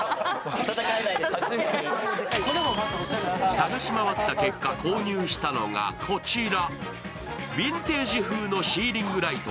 探し回った結果、購入したのがこちら。